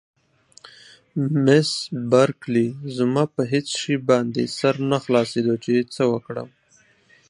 مس بارکلي: زما په هېڅ شي باندې سر نه خلاصېده چې څه وکړم.